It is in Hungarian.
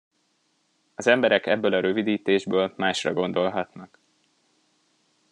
Az emberek ebből a rövidítésből másra gondolhatnak.